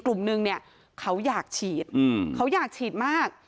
กลุ่มนึงเนี่ยเขาอยากฉีดเขาอยากฉีดมาก